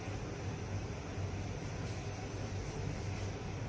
ติดลูกคลุม